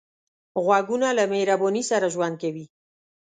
غوږونه له مهرباني سره ژوند کوي